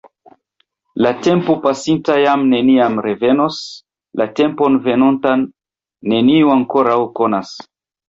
La tempo pasinta jam neniam revenos; la tempon venontan neniu ankoraŭ konas.